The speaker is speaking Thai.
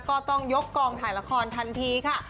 ก็ต้องยกกองถ่ายละครทันทีค่ะ